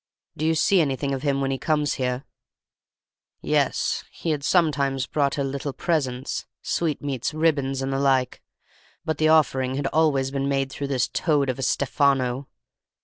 "'Do you see anything of him when he comes here?' "Yes, he had sometimes brought her little presents, sweetmeats, ribbons, and the like; but the offering had always been made through this toad of a Stefano.